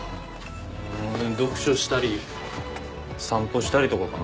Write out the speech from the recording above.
読書したり散歩したりとかかな。